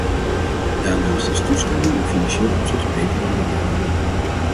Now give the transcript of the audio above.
Daarnaast is toestemming in financieel opzicht beter dan beperking.